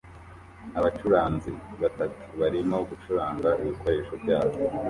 Abacuranzi batatu barimo gucuranga ibikoresho byabo